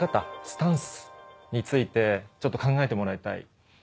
スタンスについてちょっと考えてもらいたい。